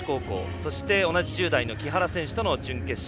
そして、同じ１０代の木原選手との準決勝。